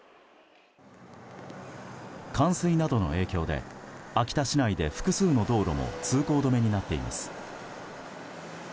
冠水などの影響で秋田市内で複数の道路も通行止めになっています。